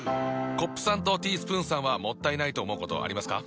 コップさんとティースプーンさんはもったいないと思うことありますか？